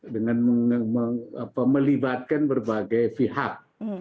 dengan melibatkan berbagai pihak